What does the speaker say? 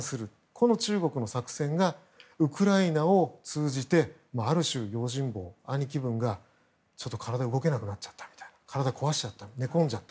この中国の作戦がウクライナを通じてある種、用心棒、兄貴分がちょっと体が動けなくなっちゃった体を壊したみたいな。